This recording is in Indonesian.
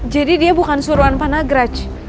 jadi dia bukan suruhan panagraj